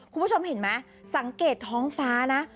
คุณผู้ชมเห็นไหมสังเกตท้องฟ้านะ